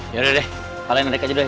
ya udah deh kalian narik aja deh